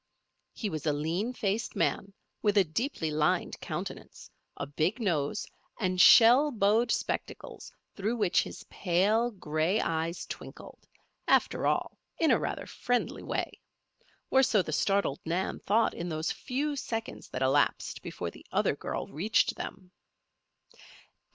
He was a lean faced man with a deeply lined countenance, a big nose, and shell bowed spectacles through which his pale, gray eyes twinkled, after all, in a rather friendly way. Or so the startled Nan thought in those few seconds that elapsed before the other girl reached them.